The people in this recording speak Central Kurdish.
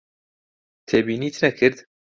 تێبینیت نەکرد؟